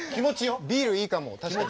ビールいいかも確かに。